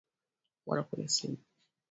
What a question!